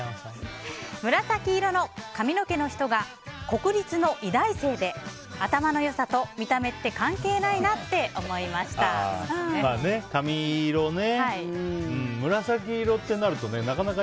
紫色の髪の毛の人が国立の医大生で頭の良さと見た目って関係ないなって髪色ね。